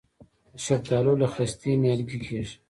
د شفتالو له خستې نیالګی کیږي؟